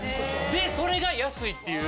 でそれが安いっていう。